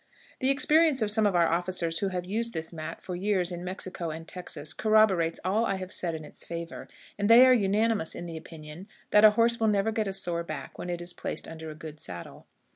The experience of some of our officers who have used this mat for years in Mexico and Texas corroborates all I have said in its favor; and they are unanimous in the opinion that a horse will never get a sore back when it is placed under a good saddle.